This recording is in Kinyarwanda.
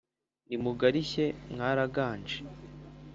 nimugarishye mwaraganje